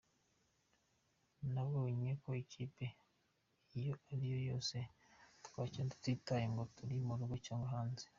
Nabonye ko ikipe iyo ariyo yose twakina tutitaye ngo turi mu rugo cyangwa hanze.